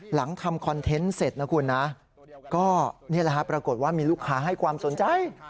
หลังทำคอนเทนต์เสร็จนะคุณปรากฏว่ามีลูกค้าให้ความสนใจ